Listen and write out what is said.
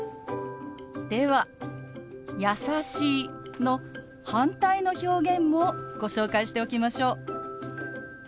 では「優しい」の反対の表現もご紹介しておきましょう。